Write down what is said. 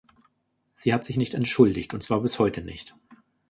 Sie hat sich nicht entschuldigt und zwar bis heute nicht.